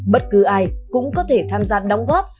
bất cứ ai cũng có thể tham gia đóng góp